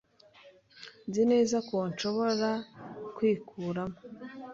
Nzi neza ko nshobora kwikuramo.